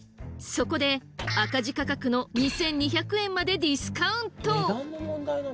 そこで赤字価格の２，２００円までディスカウント！